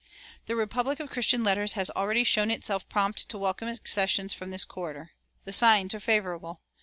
The republic of Christian letters has already shown itself prompt to welcome accessions from this quarter. The signs are favorable.